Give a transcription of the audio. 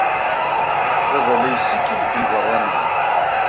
Baba la yessikil deg lbeṛṛani.